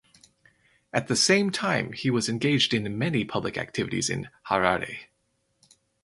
At the same time he was engaged in many public activities in Harare.